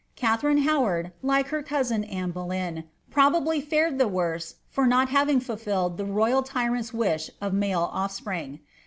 Katharine Howard, like her cousin Anne Boleyn, probably fared the worse for not having fulfilled the royal tyrant's wish of male oflspring.